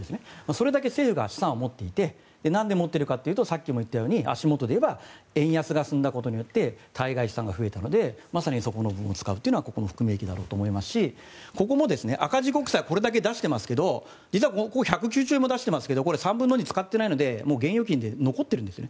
それだけ政府が資産を持っていてなんで持ってるかっていうとさっき言ったように足元でいえば円安が進んだことで対外資産が増えたのでまさにそこの部分を使うのがここの含み益だと思いますし赤字国債をこれだけ出していますが実はここ１０９兆円も出していますがこれ３分の２を使っていないので現預金で残っているんです。